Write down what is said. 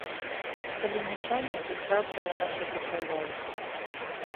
І калі не сёння, дык заўтра яна сябе праявіць.